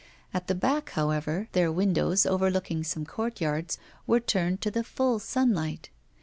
At the back, however, their windows, overlooking some courtyards, were turned to the full sunlight.